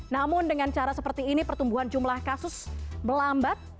namun dengan cara seperti ini pertumbuhan jumlah kasus melambat